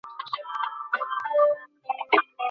শুধু খুশি থাকো।